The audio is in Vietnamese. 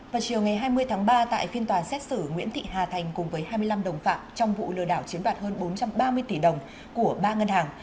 vào chiều ngày hai mươi tháng ba tại phiên tòa xét xử nguyễn thị hà thành cùng với hai mươi năm đồng phạm trong vụ lừa đảo chiếm đoạt hơn bốn trăm ba mươi tỷ đồng của ba ngân hàng